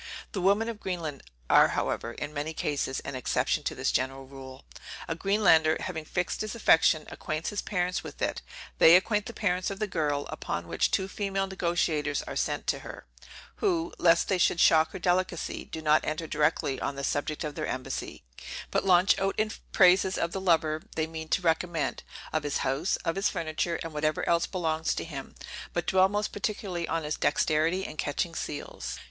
The women of Greenland are however, in many cases, an exception to this general rule. A Greenlander, having fixed his affection, acquaints his parents with it; they acquaint the parents of the girl; upon which two female negociators are sent to her, who, lest they should shock her delicacy, do not enter directly on the subject of their embassy, but launch out in praises of the lover they mean to recommend, of his house, of his furniture, and whatever else belongs to him, but dwell most particularly on his dexterity in catching seals.